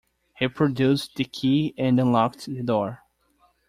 He produced the key and unlocked the door.